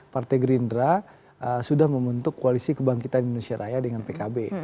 partai gerindra sudah membentuk koalisi kebangkitan indonesia raya dengan pkb